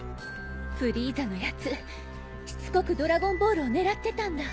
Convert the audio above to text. フリーザのやつしつこくドラゴンボールを狙ってたんだ。